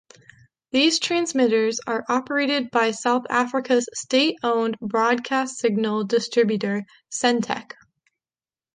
These transmitters are operated by South Africa's state-owned broadcast signal distributor Sentech.